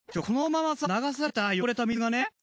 このままさ流された汚れた水がね